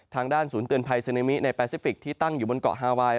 ทางด้านศูนย์เตือนภัยซึนามิในแปซิฟิกที่ตั้งอยู่บนเกาะฮาไวน์